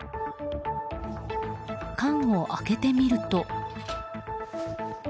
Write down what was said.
缶を開けてみると。